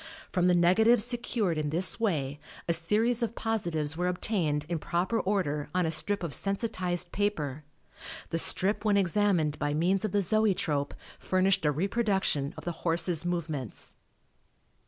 From the negatives secured in this way a series of positives were obtained in proper order on a strip of sensitized paper. The strip when examined by means of the Zoetrope furnished a reproduction of the horse's movements.